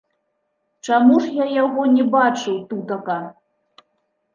Чаму ж я яго не бачыў тутака?